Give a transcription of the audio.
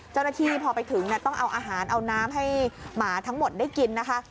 เจ้าหน้าที่พอไปถึงต้องเอาอาหารเอาน้ำให้หมาทั้งหมดได้กินนะคะ